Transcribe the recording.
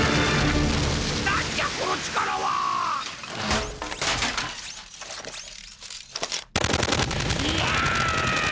何じゃこの力は！ギャ！